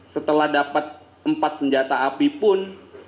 setelah dapat empat senjata api pun